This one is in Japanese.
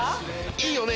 いいよね？